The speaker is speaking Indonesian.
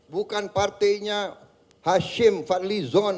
bukan partainya hashim fadlizon